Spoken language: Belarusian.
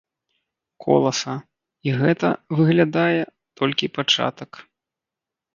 Коласа, і гэта, выглядае, толькі пачатак.